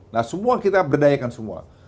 nah semua kita berdayakan semua